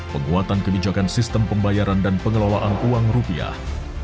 penguatan kebijakan sistem pembayaran dan pengelolaan uang rupiah